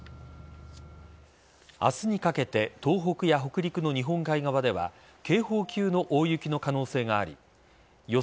明日にかけて東北や北陸の日本海側では警報級の大雪の可能性があり予想